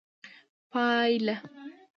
پايله